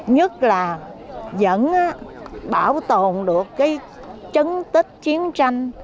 nhất là vẫn bảo tồn được cái chấn tích chiến tranh